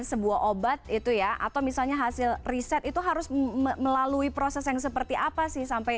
sebuah obat itu ya atau misalnya hasil riset itu harus melalui proses yang seperti apa sih sampai